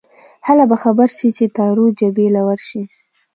هله به خبر شې چې تارو جبې له ورشې